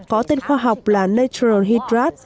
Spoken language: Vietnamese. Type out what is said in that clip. có tên khoa học là natural hydrate